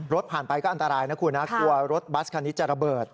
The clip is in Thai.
รถผ่านไปก็อันตรายนะคุณนะกลัวรถบัสคันนี้จะระเบิด